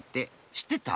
しってた？